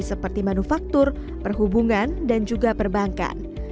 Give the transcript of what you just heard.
seperti manufaktur perhubungan dan juga perbankan